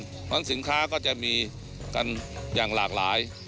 เพราะฉะนั้นสินค้าก็จะมีกันอย่างหลากหลาย